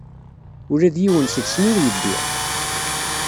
Ula d yiwen seg-sen ur yeddir.